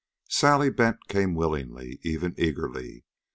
9 Sally Bent came willingly, even eagerly.